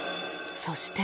そして。